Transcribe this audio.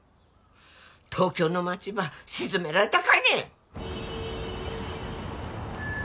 東京の街ば沈められたかいね！？